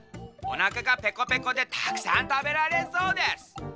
おなかがペコペコでたくさんたべられそうです。